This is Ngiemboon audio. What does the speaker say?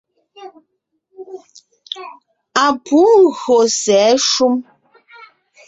Á pû gÿô sɛ̌ shúm.